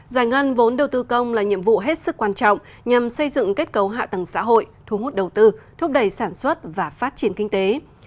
giải ngân vốn đầu tư công là nhiệm vụ hết sức quan trọng nhằm xây dựng kết cấu hạ tầng xã hội thu hút đầu tư thúc đẩy sản xuất và phát triển kinh tế